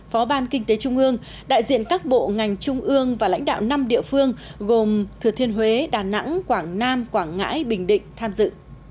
hội đồng vùng kinh tế trọng điểm miền trung đại diện các bộ ngành trung ương và lãnh đạo năm địa phương gồm thừa thiên huế đà nẵng quảng nam quảng ngãi bình định tham dự